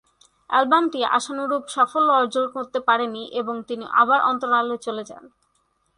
অ্যালবামটি আশানুরূপ সাফল্য অর্জন করতে পারেনি এবং তিনি আবার অন্তরালে চলে যান।